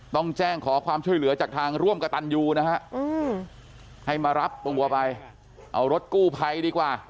ต้องแจ้งขอความช่วยเหลือจากทางร่วมกระตันยูนะฮะให้มารับตัวไปเอารถกู้ภัยดีกว่า